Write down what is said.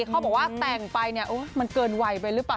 เขาบอกว่าแต่งไปเนี่ยมันเกินวัยไปหรือเปล่า